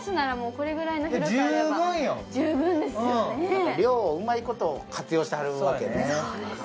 寮をうまいこと活用してはるわけね。